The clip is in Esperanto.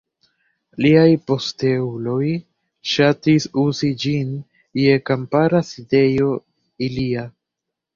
Liaj posteuloj ŝatis uzi ĝin je kampara sidejo ilia.